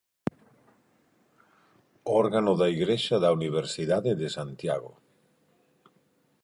Órgano da igrexa da Universidade de Santiago.